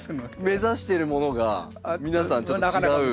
目指してるものが皆さんちょっと違う。